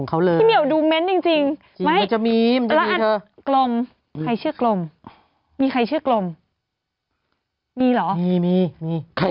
เขาจะเช็คตลอดเวย์